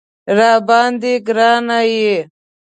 راباندې ګران یې